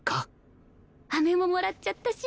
アメももらっちゃったし。